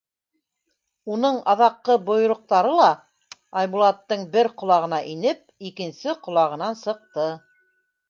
Уның аҙаҡҡы бойороҡтары ла Айбулаттың бер ҡолағына инеп, икенсе ҡолағынан сыҡты.